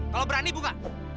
kalau berani buka